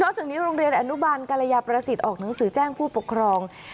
จากนี้โรงเรียนอนุบาลกรยาประสิทธิ์ออกหนังสือแจ้งผู้ปกครอง